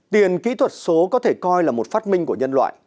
tiền kỹ thuật số có thể coi là một phát minh của nhân loại